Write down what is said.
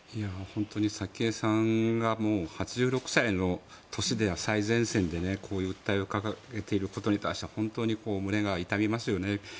本当に早紀江さんが８６歳の年で最前線でこう訴えを掲げていることに対して本当に胸が痛みますよね。